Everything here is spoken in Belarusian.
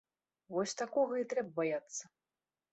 Вось такога і трэба баяцца.